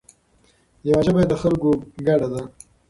یوه ژبه یې د خلکو ګډه ده.